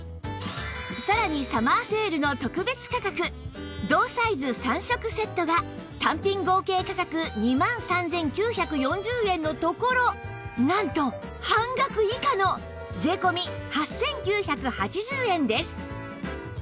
さらにサマーセールの特別価格同サイズ３色セットが単品合計価格２万３９４０円のところなんと半額以下の税込８９８０円です